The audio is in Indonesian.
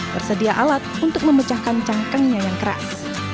tersedia alat untuk memecahkan cangkangnya yang keras